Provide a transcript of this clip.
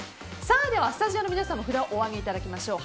ではスタジオの皆さんも札をお上げいただきましょう。